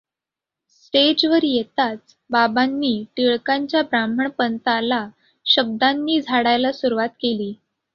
स्टेजवर येताच बाबांनी टिळकांच्या ब्राह्मण पंथाला शब्दांनी झाडायला सुरुवात केली.